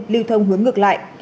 lưu thông hướng ngược lại